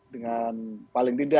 dengan paling tidak